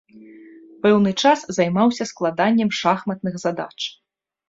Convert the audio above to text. Пэўны час займаўся складаннем шахматных задач.